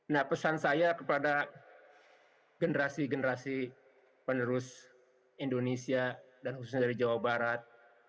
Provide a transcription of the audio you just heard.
nah pesan saya kepada generasi generasi penerus indonesia dan khususnya dari jawa barat